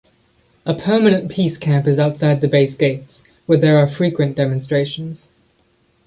A permanent peace camp is outside the base gates, where there are frequent demonstrations.